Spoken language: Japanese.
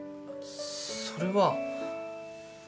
それは。